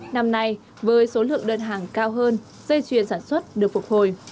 năm nay với số lượng đơn hàng cao hơn dây chuyền sản xuất được phục hồi